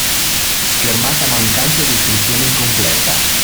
Schermata mancante o descrizione incompleta.